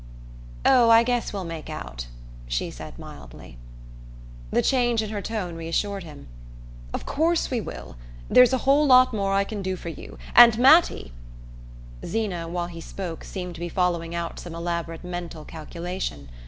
"Oh, I guess we'll make out," she said mildly. The change in her tone reassured him. "Of course we will! There's a whole lot more I can do for you, and Mattie " Zeena, while he spoke, seemed to be following out some elaborate mental calculation.